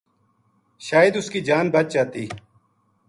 شاید اس کی جان بچ جاتی